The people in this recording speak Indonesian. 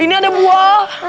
ini ada buah